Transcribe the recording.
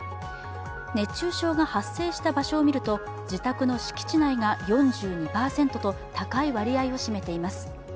熱中症が発生した場所を見ると自宅の敷地内が４２％と高い割合を占めています。